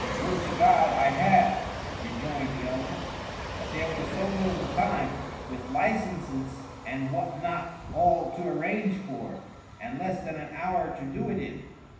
"Would to God I had," rejoined the other, "but there was so little time, with licences and what not all to arrange for, and less than an hour to do it in.